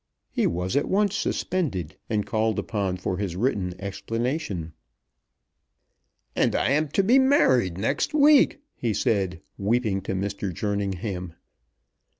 He was at once suspended, and called upon for his written explanation. "And I am to be married next week!" he said weeping to Mr. Jerningham.